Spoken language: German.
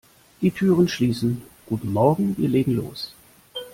Die Türen schließen - Guten morgen, wir legen los!